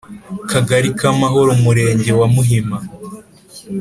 Kagari ka Amahoro Murenge wa Muhima